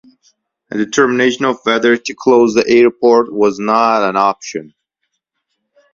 A determination of whether to close the airport was not an option.